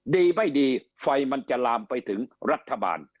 ดีไม่ดีไฟมันจะลามไปถึงรัฐบาล